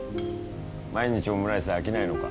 毎日オムライスで飽きないのか？